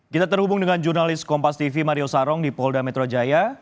kita terhubung dengan jurnalis kompas tv mario sarong di polda metro jaya